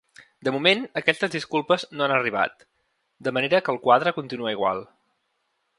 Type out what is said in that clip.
De moment, aquestes disculpes no han arribat, de manera que el quadre continua igual.